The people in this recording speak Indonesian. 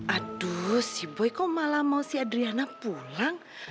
aduh si boy kok malah mau si adriana pulang